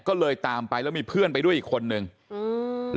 ก็เลยตามไปแล้วมีเพื่อนไปด้วยอีกคนนึงอืม